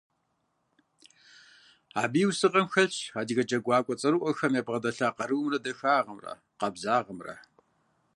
Абы и усыгъэм хэлъщ адыгэ джэгуакӀуэ цӀэрыӀуэхэм ябгъэдэлъа къарумрэ, дахагъымрэ, къабзагъэмрэ.